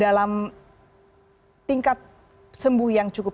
dan kalau kita lihat juga yang hanya di dki jakarta terdapat di kelapa gading barat